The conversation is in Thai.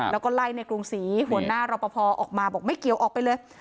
แล้วก็ไล่ในกรุงศรีหัวหน้ารอปภออกมาบอกไม่เกี่ยวออกไปเลย